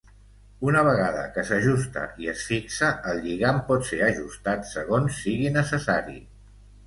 Una vegada que s'ajusta i es fixa, el lligam pot ser ajustat segons sigui necessari.